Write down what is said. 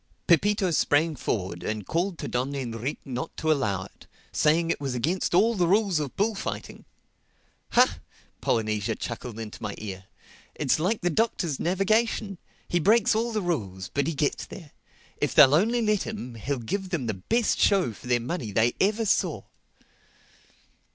Pepito sprang forward and called to Don Enrique not to allow it, saying it was against all the rules of bullfighting. ("Ha!" Polynesia chuckled into my ear. "It's like the Doctor's navigation: he breaks all the rules; but he gets there. If they'll only let him, he'll give them the best show for their money they ever saw.")